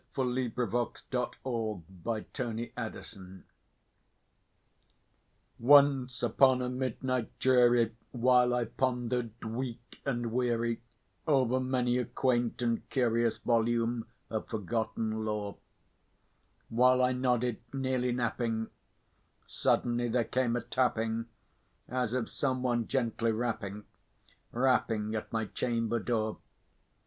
[Illustration: Silence] THE RAVEN Once upon a midnight dreary, while I pondered, weak and weary, Over many a quaint and curious volume of forgotten lore, While I nodded, nearly napping, suddenly there came a tapping, As of some one gently rapping, rapping at my chamber door.